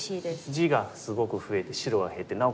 地がすごく増えて白は減ってなおかつ